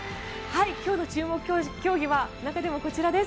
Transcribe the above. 今日の注目競技は中でもこちらです。